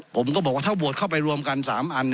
ผมก็บอกว่าถ้าโหวตเข้าไปรวมกัน๓อัน